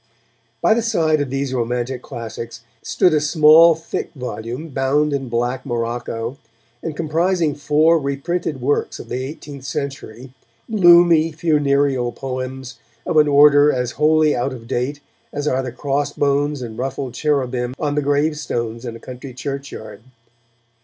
By the side of these romantic classics stood a small, thick volume, bound in black morocco, and comprising four reprinted works of the eighteenth century, gloomy, funereal poems of an order as wholly out of date as are the crossbones and ruffled cherubim on the gravestones in a country churchyard.